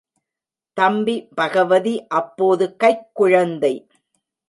தம்பி பகவதி அப்போது கைக்குழந்தை.